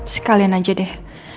sekalian aja deh